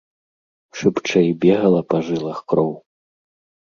Шыбчэй бегала па жылах кроў.